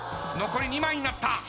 残り２枚になった。